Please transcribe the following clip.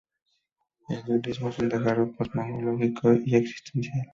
El dualismo es un desgarro cosmológico y existencial.